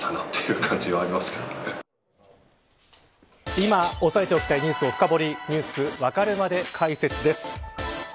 今、押さえておきたいニュースを深掘りニュースわかるまで解説です。